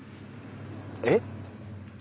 えっ？